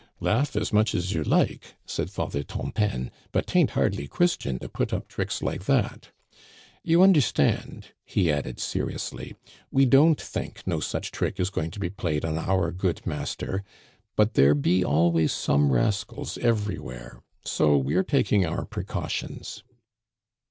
" Laugh as much as you like," said Father Tontaine, " but t'ain't hardly Christian to put up tricks like that. You understand," he added seriously, " we don't think no such trick is going to be played on our good master ; but there be always some rascals everywhere, so we're taking our precautions."